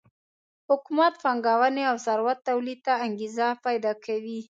حکومت پانګونې او ثروت تولید ته انګېزه پیدا کوي.